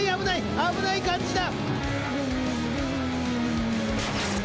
危ない感じだ！